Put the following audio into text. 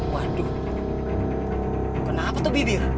waduh kenapa tuh bibir